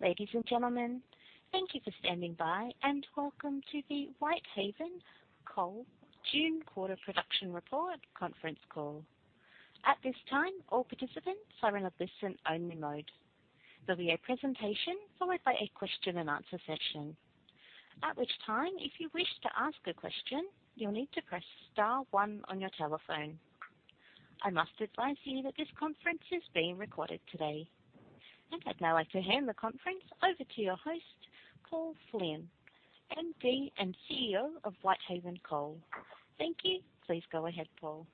Ladies and gentlemen, thank you for standing by and welcome to the Whitehaven Coal June Quarter Production Report conference call. At this time, all participants are in a listen-only mode. There'll be a presentation followed by a question-and-answer session, at which time, if you wish to ask a question, you'll need to press star one on your telephone. I must advise you that this conference is being recorded today, and I'd now like to hand the conference over to your host, Paul Flynn, MD and CEO of Whitehaven Coal. Thank you. Please go ahead, Paul.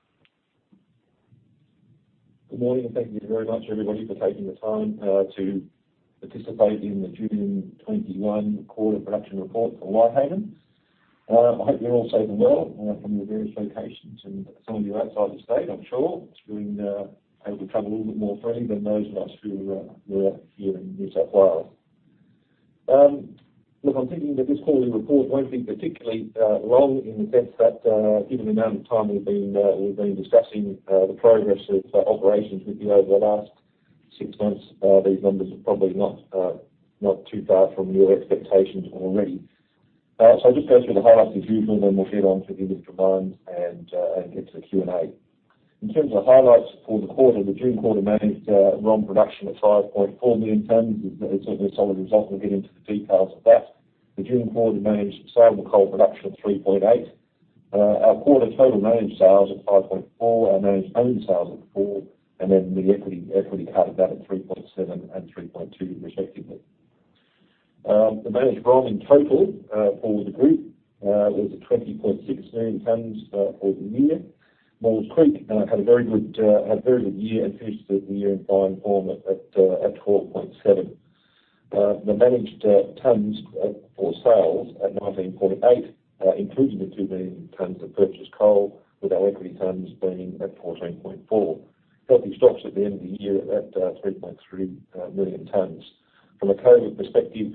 Good morning. Thank you very much, everybody, for taking the time to participate in the June 2021 Quarter Production Report for Whitehaven. I hope you're all safe and well from your various locations and some of you outside the state, I'm sure, being able to travel a little bit more freely than those of us who are here in New South Wales. Look, I'm thinking that this quarterly report won't be particularly long in the sense that, given the amount of time we've been discussing the progress of operations with you over the last six months, these numbers are probably not too far from your expectations already. So I'll just go through the highlights as usual, then we'll get onto the individual lines and get to the Q&A. In terms of the highlights for the quarter, the June quarter managed ROM production at 5.4 million tonnes is certainly a solid result. We'll get into the details of that. The June quarter managed saleable coal production at 3.8. Our quarter total managed sales at 5.4. Our managed owned sales at 4. And then the equity cut of that at 3.7 and 3.2, respectively. The managed ROM in total for the group was 20.6 million tonnes for the year. Maules Creek had a very good year and finished the year in fine form at 12.7. The managed tonnes for sales at 19.8, including the 2 million tonnes of purchased coal, with our equity tonnes being at 14.4. Healthy stocks at the end of the year at 3.3 million tonnes. From a COVID perspective,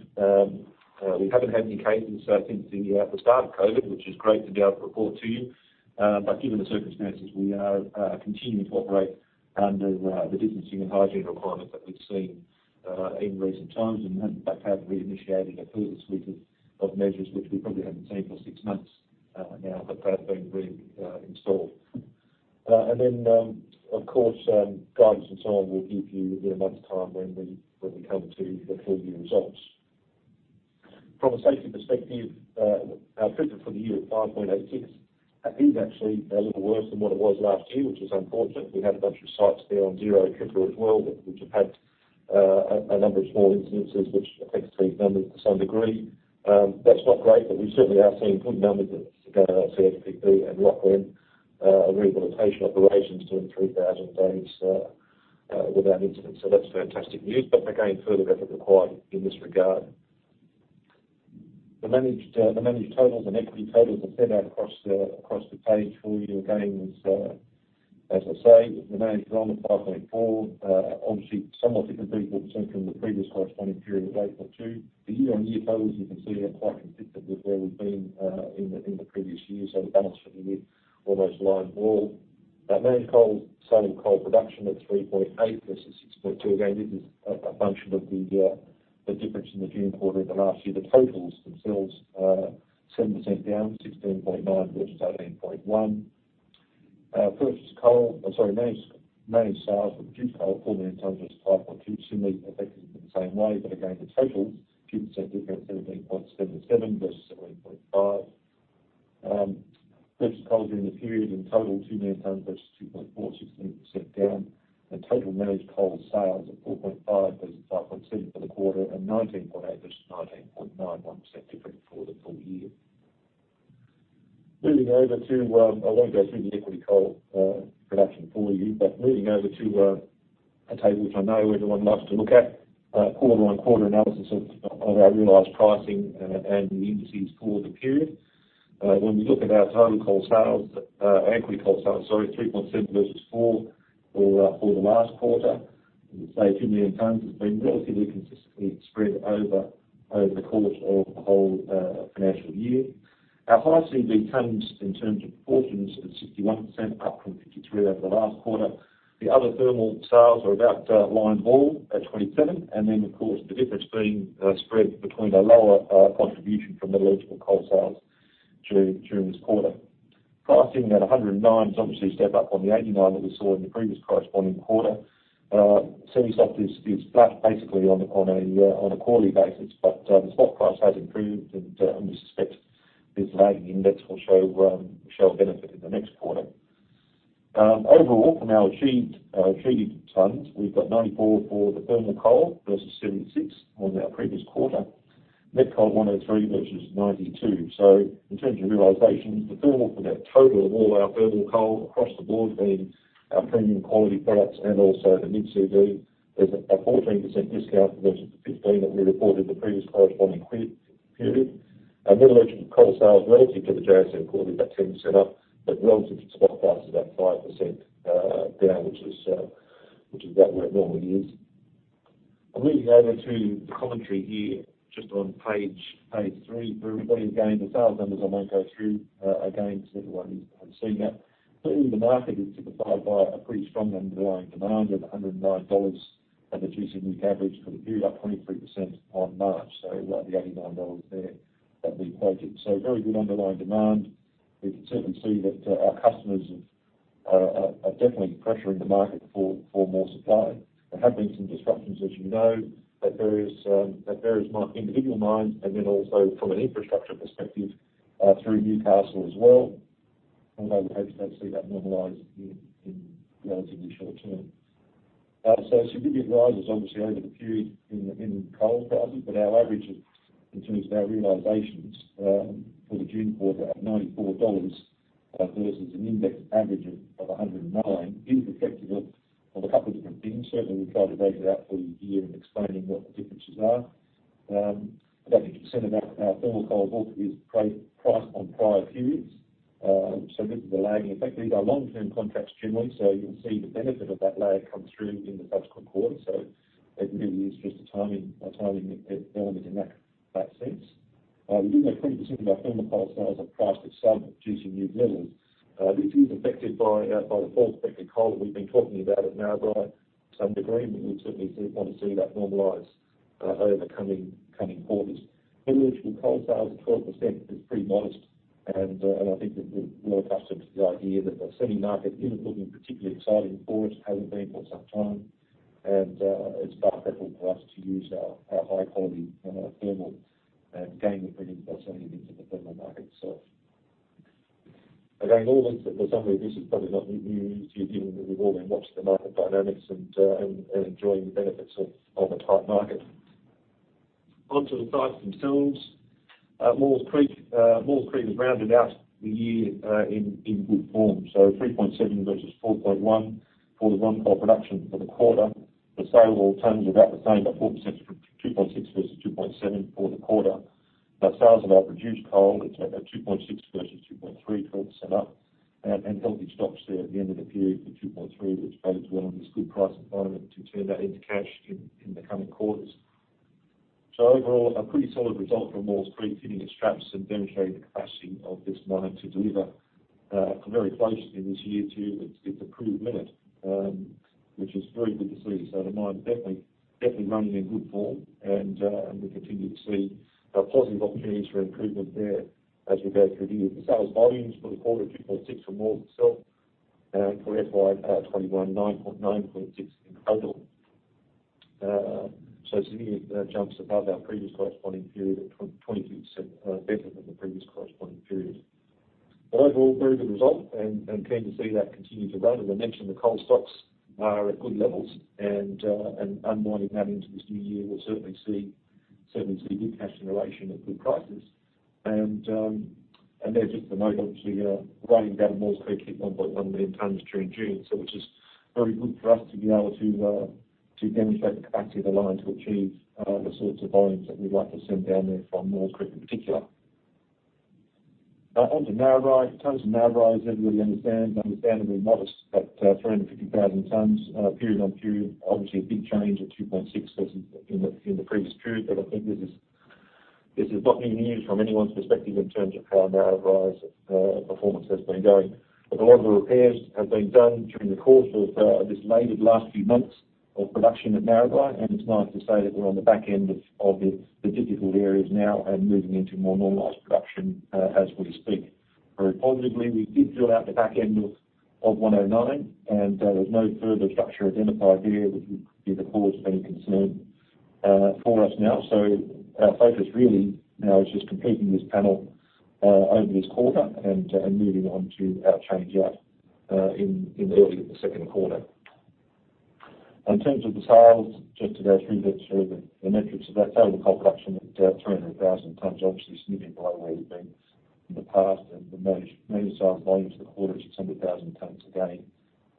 we haven't had any cases since the start of COVID, which is great to be able to report to you, but given the circumstances, we are continuing to operate under the distancing and hygiene requirements that we've seen in recent times and have in fact reinitiated a further suite of measures, which we probably haven't seen for six months now, but have been reinstalled, and then, of course, guidance and so on will give you in a month's time when we come to the full year results. From a safety perspective, our TRIFR for the year at 5.86 is actually a little worse than what it was last year, which is unfortunate. We had a bunch of sites there on zero TRIFR as well, which have had a number of small incidents, which affects these numbers to some degree. That's not great, but we certainly are seeing good numbers at CHPP and Rocglen rehabilitation operations doing 3,000 days without incidents. So that's fantastic news, but again, further effort required in this regard. The managed totals and equity totals are set out across the page for you. Again, as I say, the managed ROM at 5.4, obviously somewhat higher at a 3.7 from the previous corresponding period of FY22. The year-on-year totals, you can see, are quite consistent with where we've been in the previous year. So the balance for the year almost lines up well. Managed saleable coal production at 3.8 versus 6.2. Again, this is a function of the difference in the June quarter of the last year. The totals themselves are 7% down, 16.9 versus 18.1. Purchased coal, I'm sorry, managed sales for produced coal, 4 million tonnes, versus 5.2, similarly affected in the same way. But again, the totals, 2% difference, 17.77 versus 17.5. Purchased coal during the period in total, 2 million tonnes, versus 2.4, 16% down. And total managed coal sales at 4.5 versus 5.7 for the quarter, and 19.8 versus 19.9, 1% difference for the full year. Moving over to, I won't go through the equity coal production for you, but moving over to a table which I know everyone loves to look at, quarter-on-quarter analysis of our realized pricing and the indices for the period. When we look at our total coal sales, equity coal sales, sorry, 3.7 versus 4 for the last quarter, we can say 2 million tonnes has been relatively consistently spread over the course of the whole financial year. Our high CV tonnes, in terms of proportions, is 61%, up from 53% over the last quarter. The other thermal sales are about lineball at 27%. And then, of course, the difference being spread between a lower contribution from the metallurgical coal sales during this quarter. Pricing at 109% has obviously stepped up from the 89% that we saw in the previous corresponding quarter. Semi-soft is flat, basically, on a quarterly basis, but the spot price has improved, and we suspect this lagging index will show benefit in the next quarter. Overall, from our achieved tonnes, we've got 94% for the thermal coal versus 76% on our previous quarter, met coal at 103% versus 92%. So in terms of realizations, the thermal for that total of all our thermal coal across the board being our premium quality products and also the mid-CV, there's a 14% discount versus the 15% that we reported in the previous corresponding period. Metallurgical coal sales relative to the JFY quarter is about 10% up, but relative to the spot price is about 5% down, which is about where it normally is. I'm moving over to the commentary here just on page three. For everybody, again, the sales numbers I won't go through again because everyone has seen that. Clearly, the market is signified by a pretty strong underlying demand at $109 at the GC NEWC average for the period, up 23% on March, so about the $89 there that we quoted. So very good underlying demand. We can certainly see that our customers are definitely pressuring the market for more supply. There have been some disruptions, as you know, at various individual mines and then also from an infrastructure perspective through Newcastle as well. Although we hope to see that normalize in relatively short term. Significant rises, obviously, over the period in coal prices, but our average of, in terms of our realizations for the June quarter at $94 versus an indexed average of 109% is reflective of a couple of different things. Certainly, we'll try to break it out for you here in explaining what the differences are. About 50% of our thermal coal book is priced on prior periods, so this is a lagging. In fact, these are long-term contracts generally, so you'll see the benefit of that lag come through in the subsequent quarter. So it really is just a timing element in that sense. We do have 20% of our thermal coal sales are priced sub-GC Newcastle. this is affected by the full spectrum coal that we've been talking about at Maules Creek to some degree, and we would certainly want to see that normalize over the coming quarters. Metallurgical coal sales at 12% is pretty modest, and I think we're well accustomed to the idea that the semi market isn't looking particularly exciting for us. It hasn't been for some time, and it's far preferable for us to use our high-quality thermal and gain the freedom to sell units of the thermal market itself. Again, all this, the summary of this is probably not news to you, given that we've all been watching the market dynamics and enjoying the benefits of a tight market. Onto the sites themselves. Maules Creek has rounded out the year in good form. So 3.7 versus 4.1 for the ROM coal production for the quarter. The saleable tonne is about the same, about 4%, 2.6 versus 2.7 for the quarter. Sales of our saleable coal is about 2.6 versus 2.3, 12% up. Healthy stocks there at the end of the period were 2.3, which bodes well in this good price environment to turn that into cash in the coming quarters. Overall, a pretty solid result from Maules Creek hitting its straps, demonstrating the capacity of this mine to deliver very closely this year to its approved limit, which is very good to see. The mine's definitely running in good form, and we continue to see positive opportunities for improvement there as we go through the year. The sales volumes for the quarter are 2.6 for Maules itself, and for FY21, 9.96 in total. Significant jumps above our previous corresponding period at 22%, better than the previous corresponding period. Overall, very good result, and keen to see that continue to run. As I mentioned, the coal stocks are at good levels, and unwinding that into this new year, we'll certainly see good cash in relation at good prices. And then just to note, obviously, ROM at Werris Creek hit 1.1 million tonnes during June, so which is very good for us to be able to demonstrate the capacity of the line to achieve the sorts of volumes that we'd like to send down there from Werris Creek in particular. Onto Narrabri. The tonnes in Narrabri, as everybody understands, are understandably modest, at 350,000 tonnes, period on period. Obviously, a big change at 2.6 versus in the previous period, but I think this is not new news from anyone's perspective in terms of how Narrabri's performance has been going. But a lot of the repairs have been done during the course of the latter last few months of production at Narrabri, and it's nice to say that we're on the back end of the difficult areas now and moving into more normalized production as we speak. Very positively, we did drill out the back end of 109, and there was no further structure identified there, which would be the cause of any concern for us now. So our focus really now is just completing this panel over this quarter and moving on to our change-out in early in the second quarter. In terms of the sales, just to go through the metrics of that, saleable coal production at 300,000 tonnes, obviously significantly below where we've been in the past, and the managed sales volumes for the quarter at 600,000 tonnes again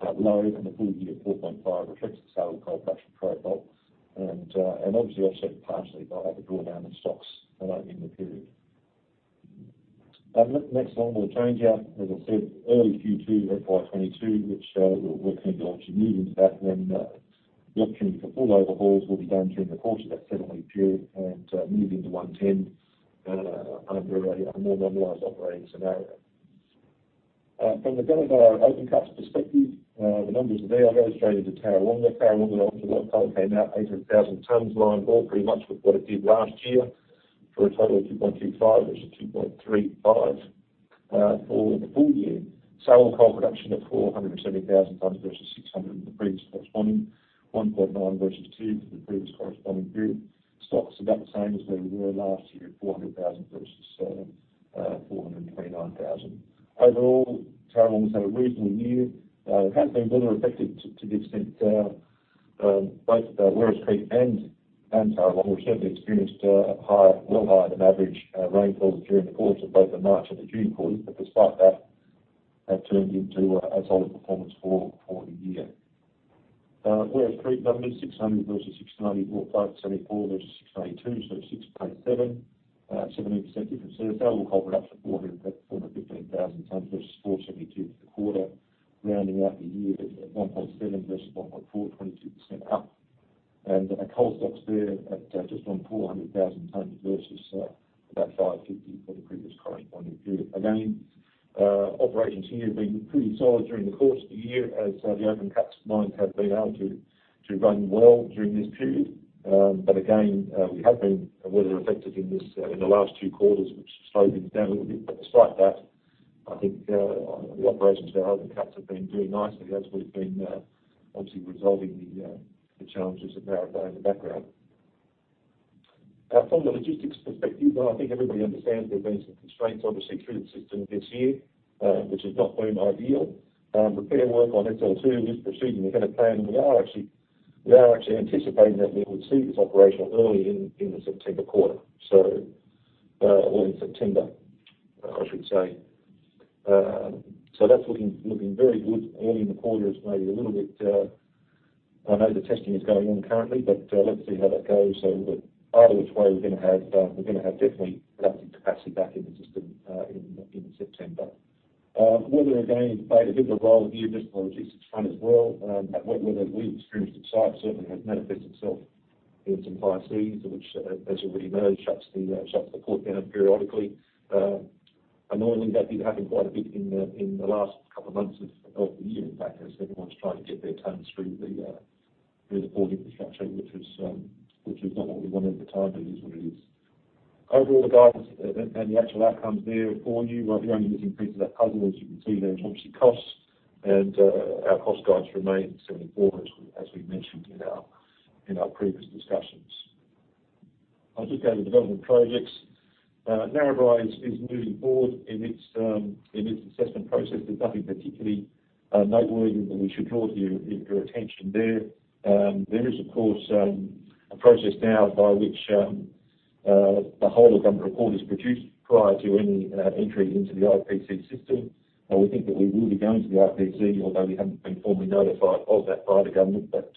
at low, and the full year at 4.5 reflects the saleable coal production profile, and obviously offset partially by the drawdown of stocks in the period. Next, longwall change-out, as I said, early Q2, FY22, which we're keen to obviously move into that when the opportunity for full overhauls will be done during the course of that seven-week period and move into 110 under a more normalised operating scenario. From the Gunnedah open-cuts perspective, the numbers are there. I'll go straight into Tarawonga. Tarawonga, obviously, a lot of coal came out, 800,000 tonnes, lined up pretty much with what it did last year for a total of 2.25 versus 2.35 for the full year. Saleable coal production at 470,000 tonnes versus 600,000 in the previous corresponding period, 1.9 versus 2 million for the previous corresponding period. Stocks about the same as where we were last year, 400,000 versus 429,000. Overall, Tarawonga's had a reasonable year. It has been weather-affected to the extent both Werris Creek and Tarawonga have certainly experienced well higher than average rainfall during the course of both the March and the June quarters, but despite that, have turned in a solid performance for the year. Werris Creek numbers, 600,000 versus 694,000, 574,000 versus 692,000, so 6.7 million, 17% difference there. Saleable coal production at 415,000 tonnes versus 472,000 for the quarter, rounding out the year at 1.7 versus 1.4 million, 22% up. Coal stocks there at just under 400,000 tonnes versus about 550,000 for the previous corresponding period. Again, operations here have been pretty solid during the course of the year as the open-cut mines have been able to run well during this period. But again, we have been weather-affected in the last two quarters, which slowed things down a little bit. But despite that, I think the operations of our open-cut mines have been doing nicely as we've been obviously resolving the challenges of Maules Creek in the background. From the logistics perspective, I think everybody understands there have been some constraints, obviously, through the system this year, which is not the most ideal. Repair work on SL2 is proceeding ahead of plan, and we are actually anticipating that we would see this operational early in the September quarter, or in September, I should say. So that's looking very good. Early in the quarter is maybe a little bit. I know the testing is going on currently, but let's see how that goes, so either which way, we're going to have definitely adaptive capacity back in the system in September. Weather, again, has played a bit of a role here just on the logistics front as well. That wet weather that we've experienced at site certainly has manifested itself in some high seas which, as you've already noticed, shuts the port down periodically. Annoyingly, that did happen quite a bit in the last couple of months of the year, in fact, as everyone's trying to get their tonnes through the port infrastructure, which was not what we wanted at the time, but it is what it is. Overall, the guidance and the actual outcomes there for you, you're only missing pieces of that puzzle, as you can see there, is obviously cost, and our cost guides remain AUD 74, as we mentioned in our previous discussions. I'll just go to development projects. Vickery is moving forward in its assessment process. There's nothing particularly noteworthy that we should draw to your attention there. There is, of course, a process now by which the whole of government report is produced prior to any entry into the IPC system. We think that we will be going to the IPC, although we haven't been formally notified of that by the government, but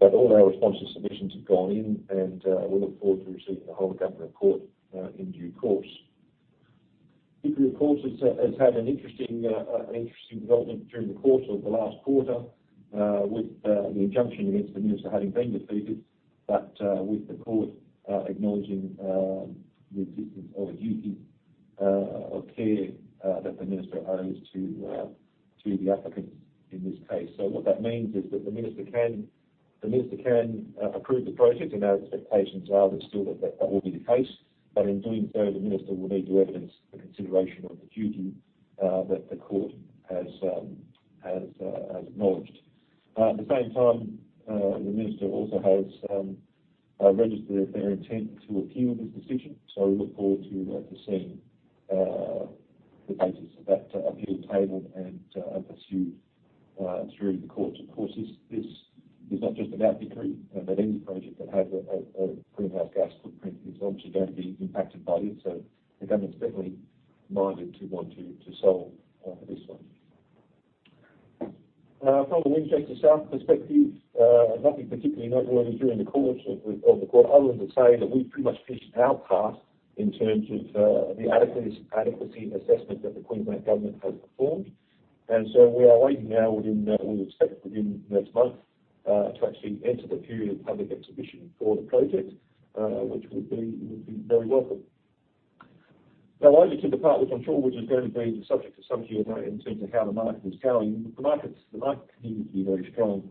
all our responses and submissions have gone in, and we look forward to receiving the whole of government report in due course. Vickery project has had an interesting development during the course of the last quarter with the injunction against the minister having been defeated, but with the court acknowledging the existence of a duty of care that the minister owes to the applicants in this case. So what that means is that the minister can approve the project, and our expectations are that still that will be the case. But in doing so, the minister will need to evidence the consideration of the duty that the court has acknowledged. At the same time, the minister also has registered their intent to appeal this decision, so we look forward to seeing the basis of that appeal tabled and pursued through the court. Of course, this is not just about Vickery, but any project that has a greenhouse gas footprint is obviously going to be impacted by this, so the government's definitely minded to want to solve this one. From a Winchester South perspective, nothing particularly noteworthy during the course of the quarter, other than to say that we've pretty much finished our part in terms of the adequacy assessment that the Queensland Government has performed. And so we are waiting now. We expect within next month to actually enter the period of public exhibition for the project, which would be very welcome. Now, I just want to part, which I'm sure is going to be the subject of some Q&A in terms of how the market is going. The market continues to be very strong,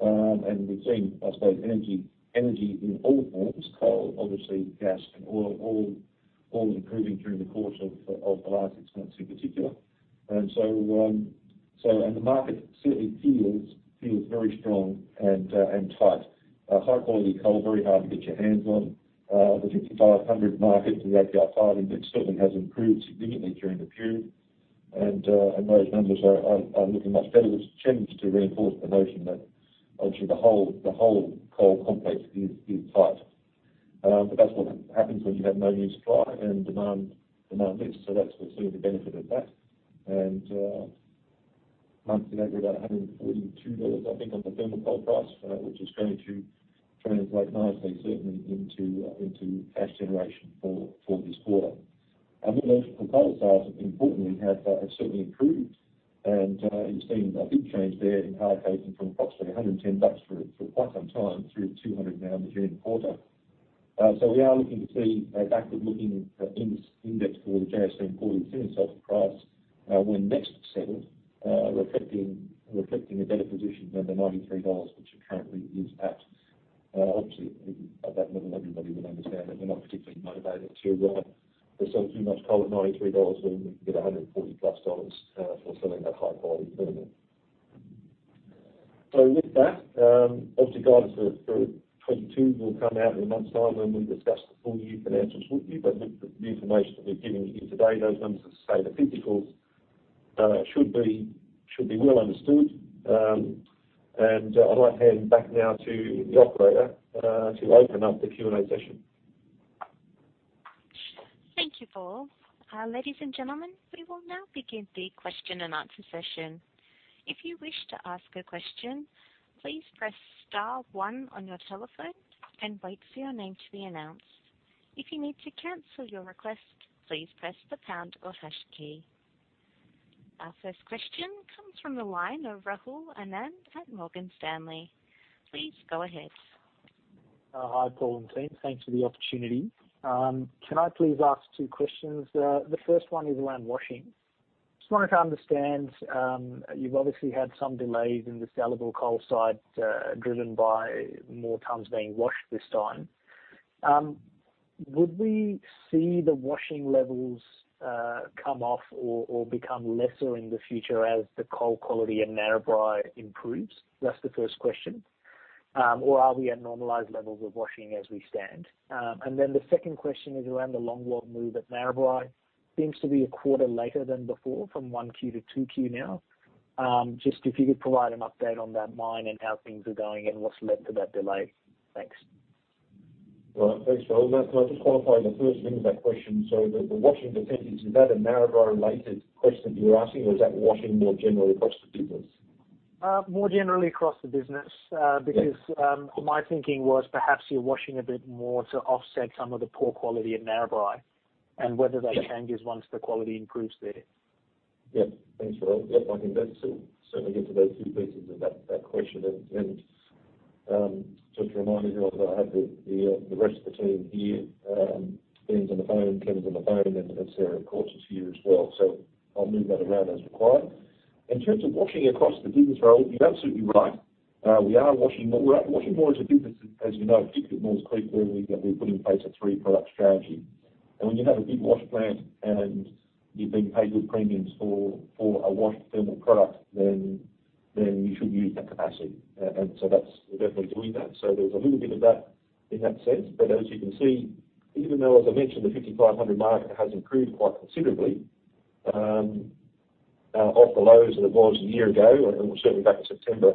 and we've seen, I suppose, energy in all forms: coal, obviously, gas, and oil, all improving during the course of the last six months in particular. And the market certainly feels very strong and tight. High-quality coal, very hard to get your hands on. The 5,500 market for the API 5 certainly has improved significantly during the period, and those numbers are looking much better, which is a challenge to reinforce the notion that, obviously, the whole coal complex is tight. But that's what happens when you have no new supply and demand lifts, so that's for certainly the benefit of that. And months ago, we were about $142, I think, on the thermal coal price, which is going to translate nicely, certainly, into cash generation for this quarter. We'll note that the coal sales, importantly, have certainly improved, and you've seen a big change there in higher pricing from approximately $110 for quite some time through $200 now in the June quarter, so we are looking to see a backward-looking index for the JFY or JSM semi-soft price when next settled, reflecting a better position than the $93, which it currently is at. Obviously, at that level, everybody will understand that we're not particularly motivated to sell too much coal at $93 when we can get $140 plus for selling that high-quality thermal, so with that, obviously, guidance for 2022 will come out in a month's time when we discuss the full year financials with you, but with the information that we've given you today, those numbers, as I say, the physicals should be well understood. And I'd like to hand back now to the operator to open up the Q&A session. Thank you, Paul. Ladies and gentlemen, we will now begin the question and answer session. If you wish to ask a question, please press star one on your telephone and wait for your name to be announced. If you need to cancel your request, please press the pound or hash key. Our first question comes from the line of Rahul Anand at Morgan Stanley. Please go ahead. Hi, Paul and Team. Thanks for the opportunity. Can I please ask two questions? The first one is around washing. Just wanted to understand, you've obviously had some delays in the saleable coal side driven by more tons being washed this time. Would we see the washing levels come off or become lesser in the future as the coal quality in Narrabri improves? That's the first question. Or are we at normalized levels of washing as we stand? And then the second question is around the longwall move at Narrabri. Seems to be a quarter later than before from 1Q to 2Q now. Just if you could provide an update on that mine and how things are going and what's led to that delay. Thanks. Thanks, Rahul. Can I just qualify the first thing with that question? So the washing percentage, is that a Maules Creek-related question that you were asking, or is that washing more generally across the business? More generally across the business because my thinking was perhaps you're washing a bit more to offset some of the poor quality at Maules Creek, and whether that changes once the quality improves there. Yep. Thanks, Rahul. Yep, I think that's certainly good to know two pieces of that question. And just a reminder, everyone, that I have the rest of the team here. Fiona's on the phone, Kevin's on the phone, and Sarah Withey is here as well. So I'll move that around as required. In terms of washing across the business overall, you're absolutely right. We are washing more. We're actually washing more as a business, as you know, particularly at Maules Creek, where we've put in place a three-product strategy. And when you have a big wash plant and you've been paid good premiums for a washed thermal product, then you should use that capacity. And so that's what we're definitely doing that. So there's a little bit of that in that sense. But as you can see, even though, as I mentioned, the 5,500 market has improved quite considerably off the lows that it was a year ago, and we're certainly back to September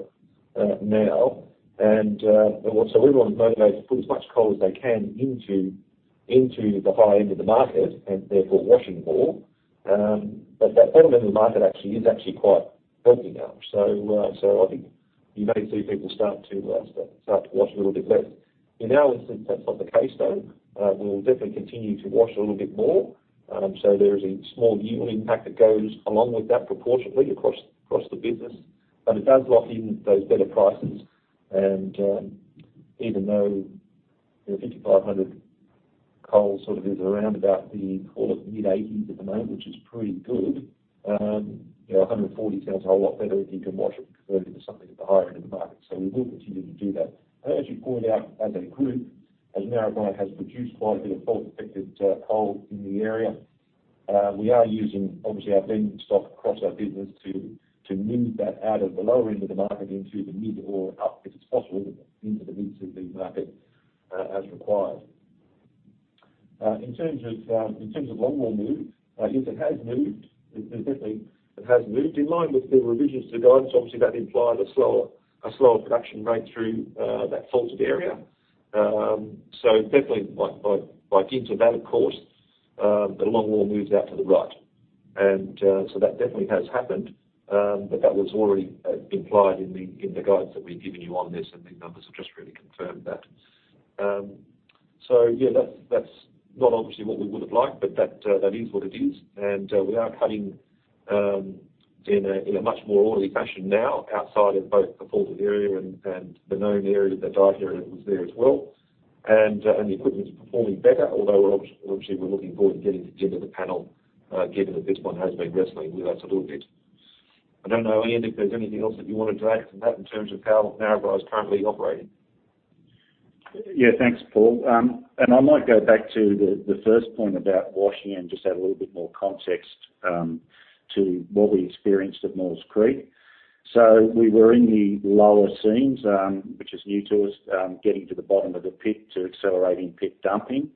now. And so everyone is motivated to put as much coal as they can into the high end of the market and therefore washing more. But that bottom end of the market actually is quite healthy now. So I think you may see people start to wash a little bit less. In our instance, that's not the case, though. We'll definitely continue to wash a little bit more. So there is a small yield impact that goes along with that proportionately across the business. But it does lock in those better prices. Even though the 5,500 coal sort of is around about the mid-$80s at the moment, which is pretty good, $140 sounds a whole lot better if you can wash it compared to something at the higher end of the market. So we will continue to do that. And as you point out, as a group, as Maules Creek has produced quite a bit of fault-affected coal in the area, we are using, obviously, our blending stock across our business to move that out of the lower end of the market into the mid or up, if it's possible, into the mid to the market as required. In terms of longwall move, yes, it has moved. It has moved. In line with the revisions to the guidance, obviously, that implies a slower production rate through that faulted area. So definitely by Ginter, that, of course, the longwall moves out to the right. And so that definitely has happened, but that was already implied in the guidance that we've given you on this, and these numbers have just really confirmed that. So yeah, that's not obviously what we would have liked, but that is what it is. And we are cutting in a much more orderly fashion now outside of both the faulted area and the known area, the dyke area that was there as well. And the equipment is performing better, although obviously we're looking forward to getting to Ginter, the panel, given that this one has been wrestling with us a little bit. I don't know, Ian, if there's anything else that you wanted to add from that in terms of how Narrabri is currently operating. Yeah, thanks, Paul. I might go back to the first point about washing and just add a little bit more context to what we experienced at Maules Creek. We were in the lower seams, which is new to us, getting to the bottom of the pit to accelerating pit dumping.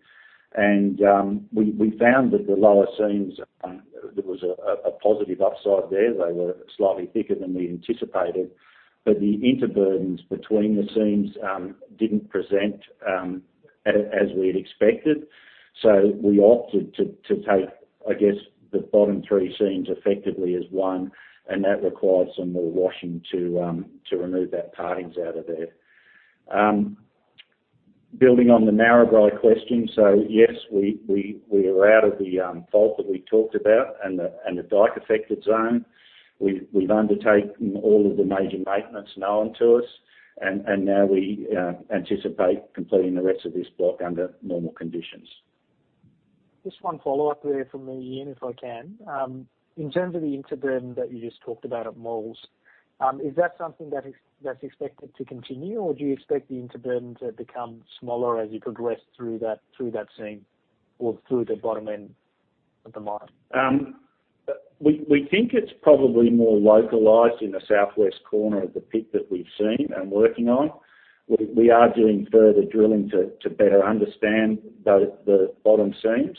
We found that the lower seams, there was a positive upside there. They were slightly thicker than we anticipated, but the interburdens between the seams didn't present as we had expected. We opted to take, I guess, the bottom three seams effectively as one, and that required some more washing to remove that parting out of there. Building on the Narrabri question, so yes, we are out of the fault that we talked about and the dyke-affected zone. We've undertaken all of the major maintenance known to us, and now we anticipate completing the rest of this block under normal conditions. Just one follow-up there from me, Ian, if I can. In terms of the interburden that you just talked about at Maules, is that something that's expected to continue, or do you expect the interburden to become smaller as you progress through that seam or through the bottom end of the mine? We think it's probably more localized in the southwest corner of the pit that we've seen and working on. We are doing further drilling to better understand the bottom seams,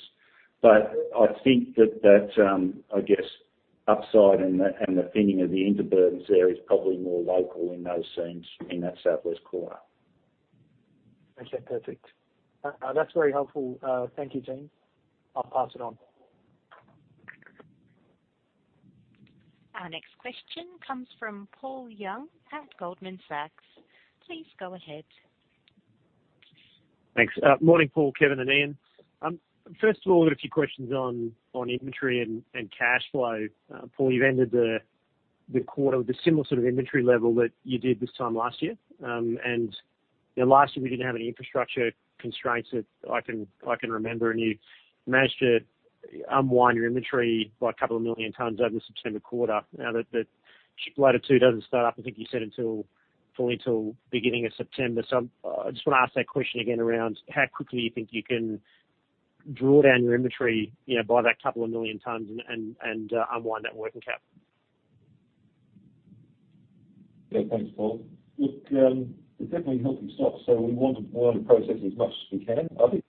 but I think that that, I guess, upside and the thinning of the interburdens there is probably more local in those seams in that southwest corner. Okay, perfect. That's very helpful. Thank you, Team. I'll pass it on. Our next question comes from Paul Young at Goldman Sachs. Please go ahead. Thanks. Morning, Paul, Kevin, and Ian. First of all, I've got a few questions on inventory and cash flow. Paul, you've ended the quarter with a similar sort of inventory level that you did this time last year. And last year, we didn't have any infrastructure constraints that I can remember, and you managed to unwind your inventory by a couple of million tons over the September quarter. Now, the Ship Loader 2 doesn't start up, I think you said, fully until beginning of September. So I just want to ask that question again around how quickly you think you can draw down your inventory by that couple of million tons and unwind that working cap. Yeah, thanks, Paul. Look, it's definitely a healthy stock, so we want to process as much as we can. I think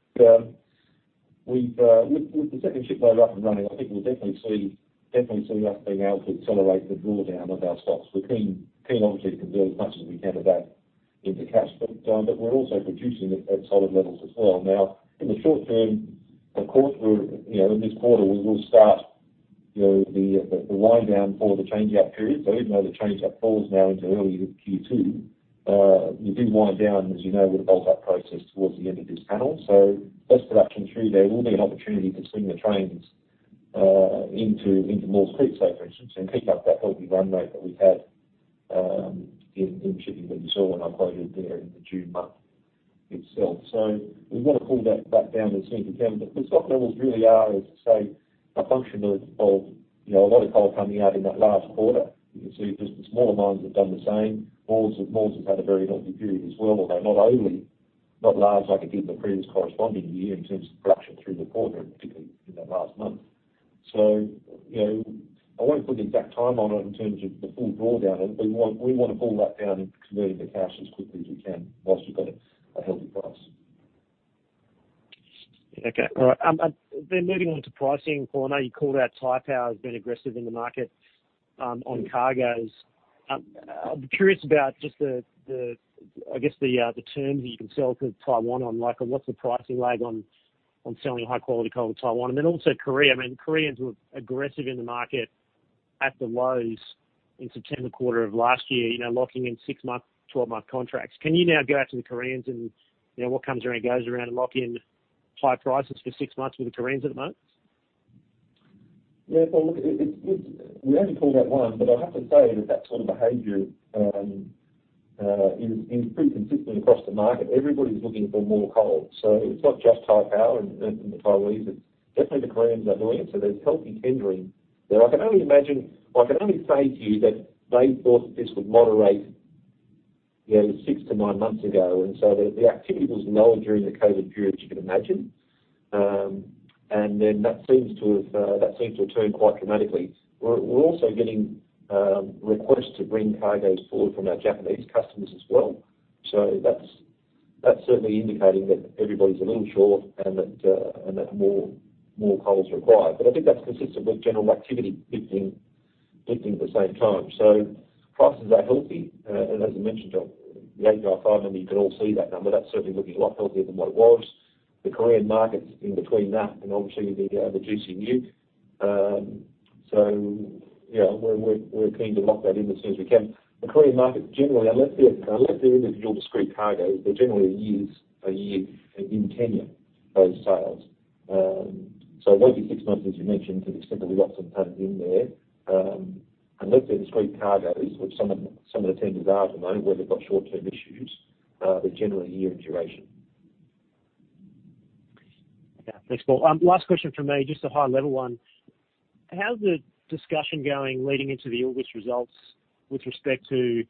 with the second ship loader up and running, I think we'll definitely see us being able to accelerate the drawdown of our stocks. We can, obviously, do as much as we can of that in cash, but we're also producing at solid levels as well. Now, in the short term, of course, in this quarter, we will start the wind down for the change-out period. So even though the change-out falls now into early Q2, we do wind down, as you know, with a bolt-up process towards the end of this panel. So, as production through there, there will be an opportunity to swing the trains into Maules Creek, say, for instance, and pick up that healthy run rate that we've had in shipping that you saw when I quoted there in the June month itself. So we want to pull that back down as soon as we can. But the stock levels really are, as I say, a function of a lot of coal coming out in that last quarter. You can see just the smaller mines have done the same. Maules Creek has had a very healthy period as well, although not only not large like it did in the previous corresponding year in terms of production through the quarter, particularly in that last month. So I won't put the exact time on it in terms of the full drawdown. We want to pull that down and convert into cash as quickly as we can while we've got a healthy price. Okay. All right. Then moving on to pricing, Paul, I know you called out Taipower has been aggressive in the market on cargoes. I'm curious about just the, I guess, the terms that you can sell to Taiwan on. What's the pricing lag on selling high-quality coal to Taiwan? And then also Korea. I mean, the Koreans were aggressive in the market at the lows in September quarter of last year, locking in six-month, 12-month contracts. Can you now go out to the Koreans and what comes around goes around and lock in high prices for six months with the Koreans at the moment? Yeah, Paul, look, we only pulled out one, but I have to say that that sort of behavior is pretty consistent across the market. Everybody's looking for more coal, so it's not just Taipower and Taiwan. It's definitely the Koreans are doing it, so there's healthy tendering. I can only imagine, or I can only say to you that they thought that this would moderate six to nine months ago, and so the activity was lower during the COVID period, you can imagine, and then that seems to have turned quite dramatically. We're also getting requests to bring cargoes forward from our Japanese customers as well, so that's certainly indicating that everybody's a little short and that more coal is required, but I think that's consistent with general activity dipping at the same time, so prices are healthy. As I mentioned, the API 5 number, you can all see that number. That's certainly looking a lot healthier than what it was. The Korean market's in between that and obviously the GCU. So yeah, we're keen to lock that in as soon as we can. The Korean market, generally, unless they're individual discrete cargoes, they're generally a year in tenure, those sales. So it won't be six months, as you mentioned, to the extent that we've got some tons in there. Unless they're discrete cargoes, which some of the tenders are at the moment, where they've got short-term issues, they're generally a year in duration. Yeah. Thanks, Paul. Last question from me, just a high-level one. How's the discussion going leading into the August results with respect to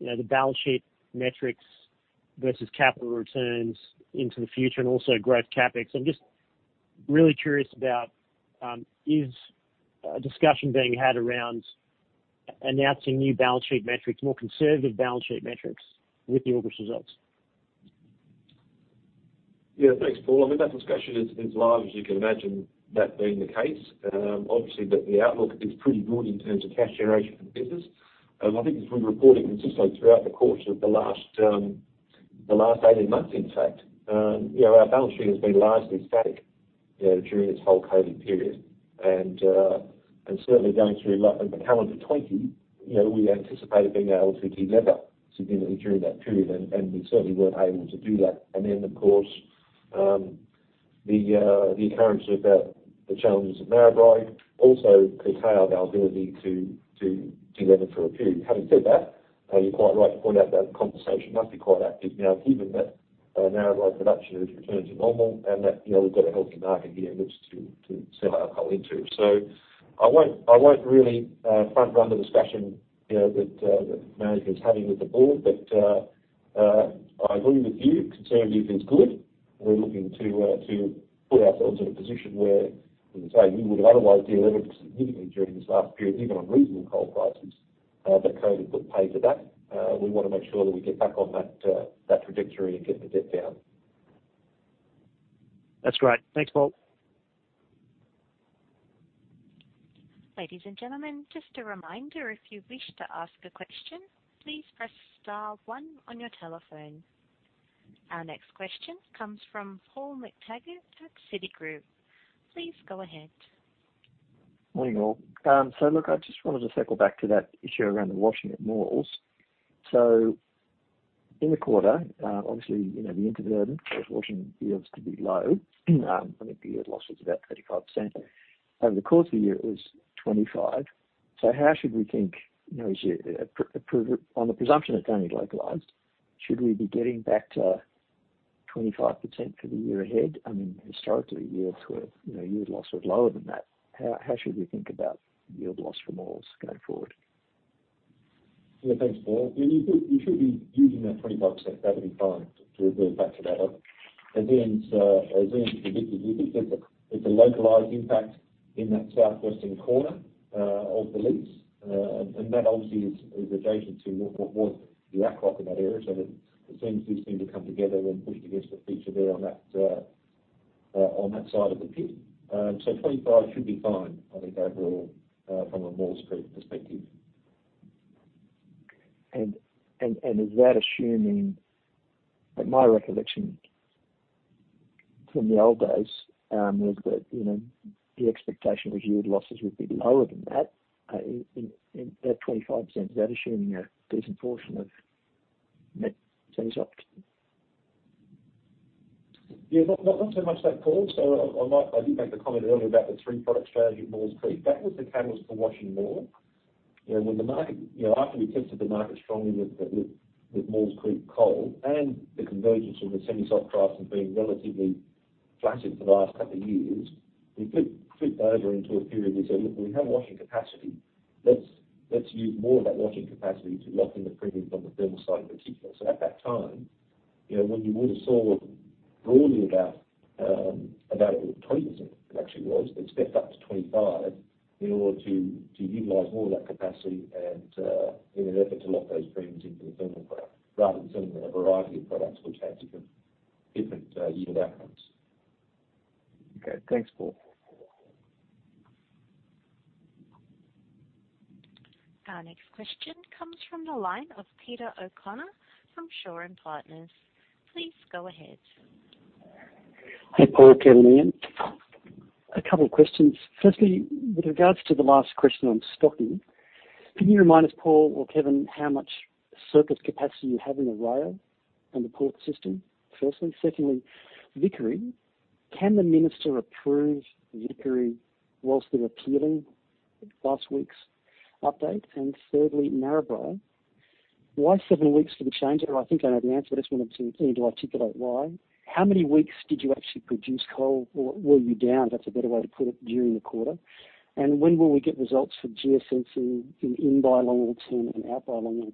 the balance sheet metrics versus capital returns into the future and also growth CapEx? I'm just really curious about, is a discussion being had around announcing new balance sheet metrics, more conservative balance sheet metrics with the August results? Yeah, thanks, Paul. I mean, that discussion is live, as you can imagine, that being the case. Obviously, the outlook is pretty good in terms of cash generation for the business. I think we've reported consistently throughout the course of the last 18 months, in fact. Our balance sheet has been largely static during this whole COVID period. And certainly going through the calendar 2020, we anticipated being able to deliver significantly during that period, and we certainly weren't able to do that. And then, of course, the occurrence of the challenges at Maules Creek also curtailed our ability to deliver for a period. Having said that, you're quite right to point out that conversation must be quite active now, given that Maules Creek production has returned to normal and that we've got a healthy market here in which to sell our coal into. So I won't really front-run the discussion that management is having with the board, but I agree with you. Conservative is good. We're looking to put ourselves in a position where, as I say, we would have otherwise delivered significantly during this last period, even on reasonable coal prices, but COVID put paid to that. We want to make sure that we get back on that trajectory and get the debt down. That's great. Thanks, Paul. Ladies and gentlemen, just a reminder, if you wish to ask a question, please press star one on your telephone. Our next question comes from Paul McTaggart at Citigroup. Please go ahead. Morning, Paul. So look, I just wanted to circle back to that issue around the washing at Maules. So in the quarter, obviously, the interburden was washing yields to be low. I think the yield loss was about 35%. Over the course of the year, it was 25%. So how should we think, on the presumption it's only localized, should we be getting back to 25% for the year ahead? I mean, historically, yield loss was lower than that. How should we think about yield loss for Maules going forward? Yeah, thanks, Paul. You should be using that 25%, that would be fine to revert back to that. As Ian predicted, you think there's a localized impact in that southwestern corner of the lease, and that obviously is adjacent to what was the outcrop in that area. So it seems these things are coming together and pushing against the feature there on that side of the pit. So 25% should be fine, I think, overall from a Maules Creek perspective. Is that assuming, at my recollection from the old days, was that the expectation was yield losses would be lower than that, that 25%? Is that assuming a decent portion of net semi-soft? Yeah, not so much that, Paul. So I did make the comment earlier about the three-product strategy at Maules Creek. That was the canvas for washing more. When the market, after we tested the market strongly with Maules Creek coal and the convergence of the semi-soft prices being relatively flattering for the last couple of years, we flipped over into a period where we said, "Look, we have washing capacity. Let's use more of that washing capacity to lock in the premiums on the thermal side in particular." So at that time, when you would have saw broadly about 20%, it actually was, they stepped up to 25% in order to utilize more of that capacity in an effort to lock those premiums into the thermal product rather than selling a variety of products which had different yield outcomes. Okay. Thanks, Paul. Our next question comes from the line of Peter O'Connor from Shaw and Partners. Please go ahead. Hey, Paul, Kevin, Ian. A couple of questions. Firstly, with regards to the last question on stocking, can you remind us, Paul or Kevin, how much surplus capacity you have in the rail and the port system? Firstly. Secondly, Vickery, can the minister approve Vickery whilst they're appealing last week's update? And thirdly, Narrabri, why seven weeks for the changeover? I think I know the answer, but I just wanted to articulate why. How many weeks did you actually produce coal, or were you down, if that's a better way to put it, during the quarter? And when will we get results for Geosensing inbye longwall and outbye longwall?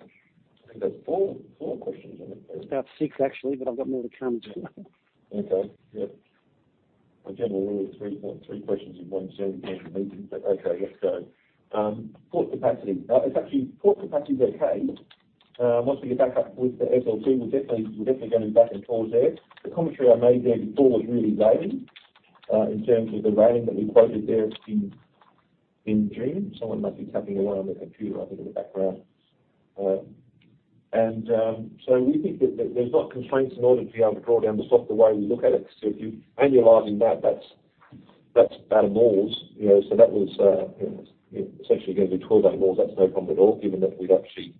I think that's four questions. About six, actually, but I've got more to come as well. Okay. Yep. I generally need three questions in one Zoom meeting, but okay, let's go. Port capacity. It's actually port capacity is okay. Once we get back up with the SL2, we're definitely going back and forth there. The commentary I made there before was really railing in terms of the railing that we quoted there in June. Someone must be tapping away on their computer, I think, in the background, and so we think that there's no constraints in order to be able to draw down the stock the way we look at it, so if you're annualizing that, that's about a Mt. So that was essentially going to be 12.8 Mt. That's no problem at all, given that we've actually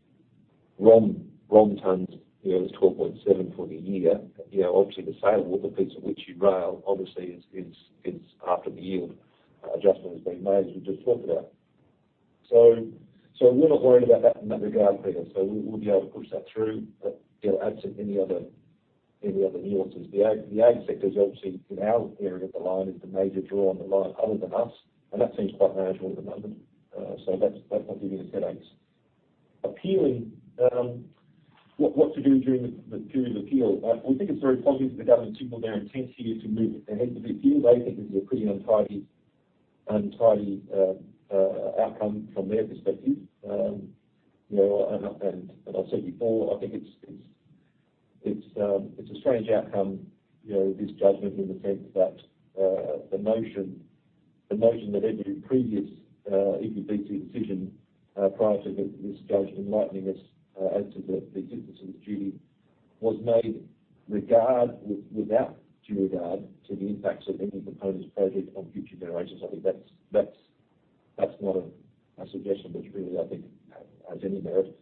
run tonnes at 12.7 for the year. Obviously, the sale of the piece of which your rail, obviously, is after the yield adjustment has been made, as we just talked about, so we're not worried about that in that regard, Kevin, so we'll be able to push that through, absent any other nuances. The ag sector is obviously, in our area, the line is the major draw on the line other than us, and that seems quite manageable at the moment, so that's not giving us headaches. The appeal, what to do during the period of appeal, we think it's very positive that the government signaled their intent here to move ahead with the appeal. They think this is a pretty untidy outcome from their perspective. I've said before, I think it's a strange outcome, this judgment, in the sense that the notion that every previous EPBC decision prior to this judge enlightening us as to the existence of this duty was made without due regard to the impacts of any proponent's project on future generations. I think that's not a suggestion which really, I think, has any merit.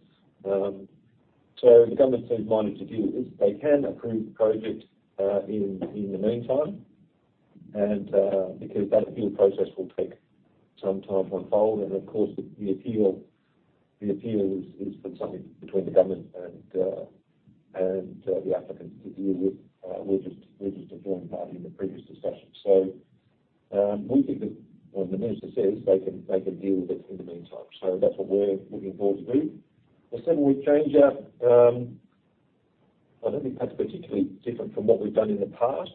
So the government seems minded to deal with this. They can approve the project in the meantime because that appeal process will take some time to unfold. And of course, the appeal is for something between the government and the applicants to deal with. We're just a joint party in the previous discussion. So we think that, when the minister says, they can deal with it in the meantime. So that's what we're looking forward to do. The seven-week changer, I don't think that's particularly different from what we've done in the past.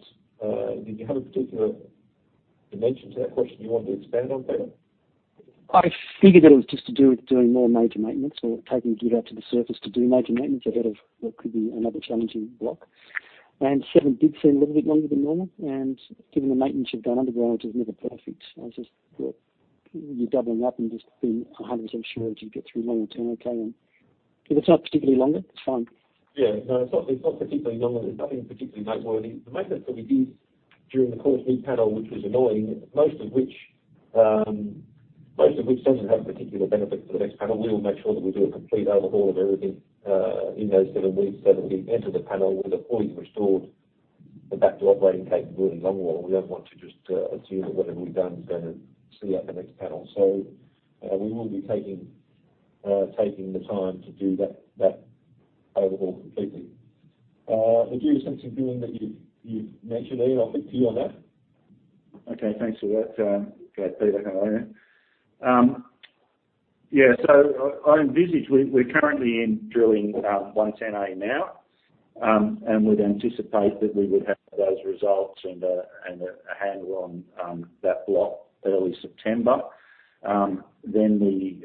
Did you have a particular dimension to that question you wanted to expand on, Peter? I figured it was just to do with doing more major maintenance or taking gear out to the surface to do major maintenance ahead of what could be another challenging block. And seven did seem a little bit longer than normal. And given the maintenance you've done underground, which is never perfect, I just thought you doubling up and just being 100% sure that you get through longwall 10, okay? And if it's not particularly longer, it's fine. Yeah. No, it's not particularly long. There's nothing particularly noteworthy. The maintenance that we did during the longwall panel, which was annoying, most of which doesn't have a particular benefit for the next panel, we will make sure that we do a complete overhaul of everything in those seven weeks that we enter the panel with a fully restored and back to operating capability longwall. We don't want to just assume that whatever we've done is going to see us through the next panel. We will be taking the time to do that overhaul completely. The Geosensing drilling that you've mentioned, Ian, I'll turn it over to you on that. Okay. Thanks for that, Peter. Hang on there. Yeah. So I envisage we're currently in drilling 110A now, and we'd anticipate that we would have those results and a handle on that block early September. We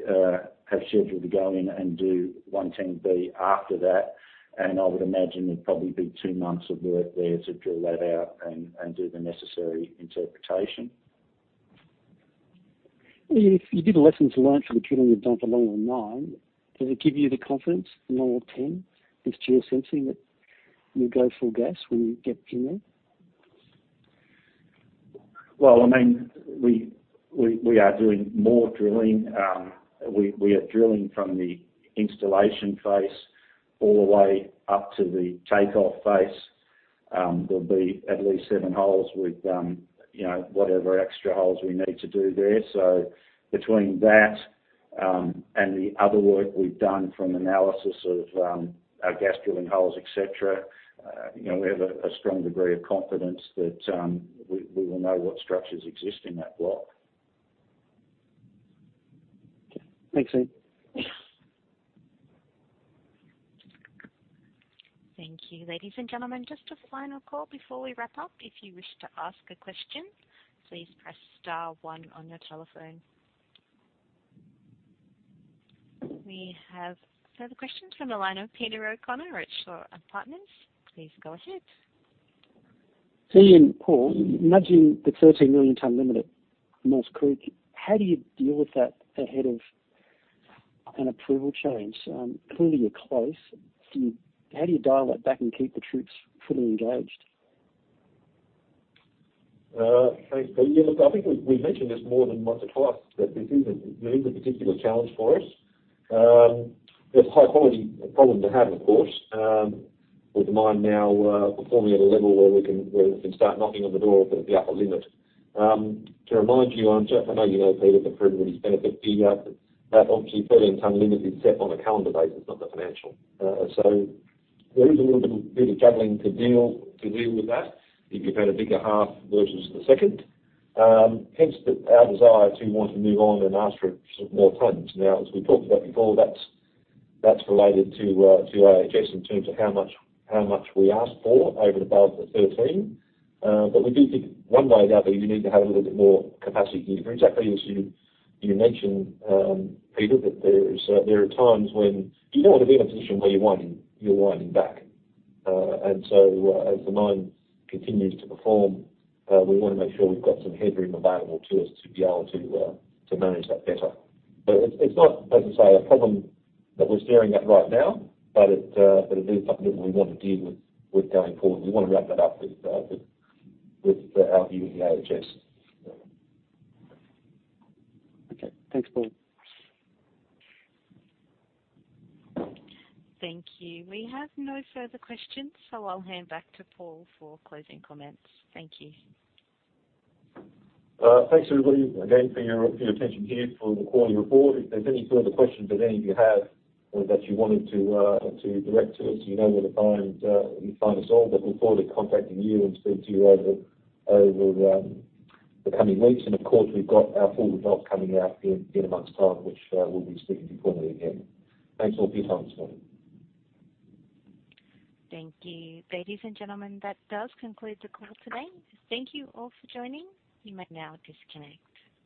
have scheduled to go in and do 110B after that. I would imagine there'd probably be two months of work there to drill that out and do the necessary interpretation. Ian, if you did the lessons learned from the drilling you've done for longwall 9, does it give you the confidence, longwall 10, this geosensing that you'll go full gas when you get in there? I mean, we are doing more drilling. We are drilling from the installation phase all the way up to the takeoff phase. There'll be at least seven holes with whatever extra holes we need to do there. Between that and the other work we've done from analysis of our gas drilling holes, etc., we have a strong degree of confidence that we will know what structures exist in that block. Okay. Thanks, Ian. Thank you. Ladies and gentlemen, just a final call before we wrap up. If you wish to ask a question, please press star one on your telephone. We have further questions from the line of Peter O'Connor from Shaw and Partners. Please go ahead. So Ian, Paul, imagine the 13 million tonne limit at Maules Creek. How do you deal with that ahead of an approval change? Clearly, you're close. How do you dial that back and keep the troops fully engaged? Thanks, Peter. Look, I think we've mentioned this more than once or twice, that this is a particular challenge for us. It's a high-quality problem to have, of course, with the mine now performing at a level where we can start knocking on the door of the upper limit. To remind you, I know you know, Peter, that for everybody's benefit, that obviously 13 million tonne limit is set on a calendar basis, not the financial. So there is a little bit of juggling to deal with that if you've had a bigger half versus the second. Hence our desire to want to move on and ask for more tons. Now, as we talked about before, that's related to AHS in terms of how much we ask for over and above the 13. But we do think one way or the other, you need to have a little bit more capacity here. For exactly as you mentioned, Peter, that there are times when you don't want to be in a position where you're winding back. And so as the mine continues to perform, we want to make sure we've got some headroom available to us to be able to manage that better. But it's not, as I say, a problem that we're staring at right now, but it is something that we want to deal with going forward. We want to wrap that up with our view of the AHS. Okay. Thanks, Paul. Thank you. We have no further questions, so I'll hand back to Paul for closing comments. Thank you. Thanks, everybody, again, for your attention here for the quarterly report. If there's any further questions that any of you have or that you wanted to direct to us, you know where to find us all, but look forward to contacting you and speaking to you over the coming weeks, and of course, we've got our full results coming out in a month's time, which we'll be speaking to you formally again. Thanks all for your time this morning. Thank you. Ladies and gentlemen, that does conclude the call today. Thank you all for joining. You may now disconnect.